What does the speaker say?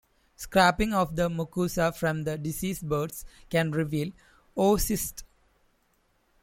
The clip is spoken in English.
Scrapings of the mucosa from diseased birds can reveal oocysts.